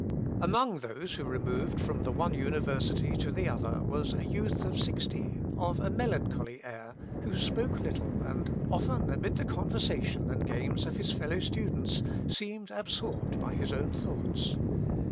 ] Among those who removed from the one university to the other was a youth of sixteen, of a melancholy air, who spoke little, and often amid the conversation and games of his fellow students seemed absorbed by his own thoughts.